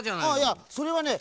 いやそれはね